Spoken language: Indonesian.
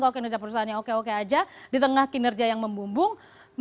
oke kinerja perusahaan yang oke oke aja di tengah kinerja yang membumbung